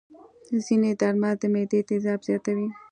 ځینې درمل د معدې تیزاب زیاتوي.